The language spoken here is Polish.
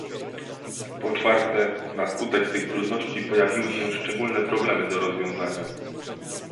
Po czwarte, na skutek tych trudności pojawiły się szczególne problemy do rozwiązania